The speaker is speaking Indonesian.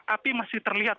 api masih terlihat